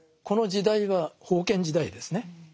この時代は封建時代ですね。